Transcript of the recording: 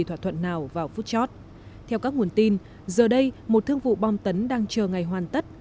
thông tin nào vào footshot theo các nguồn tin giờ đây một thương vụ bom tấn đang chờ ngày hoàn tất